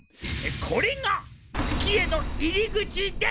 これが月への入り口です！